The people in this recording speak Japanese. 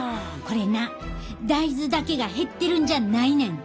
これな大豆だけが減ってるんじゃないねん。